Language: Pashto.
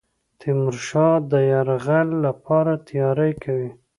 تیمورشاه د یرغل لپاره تیاری کوي.